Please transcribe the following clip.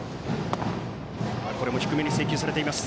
低めに制球されています。